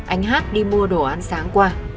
anh hát đi mua đồ ăn sáng qua